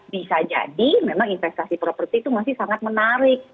bisa jadi memang investasi properti itu masih sangat menarik